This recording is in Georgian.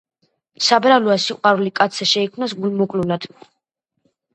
საბრალოა, სიყვარული კაცსა შეიქმს გულმოკლულად